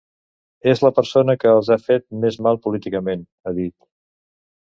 “És la persona que els ha fet més mal políticament”, ha dit.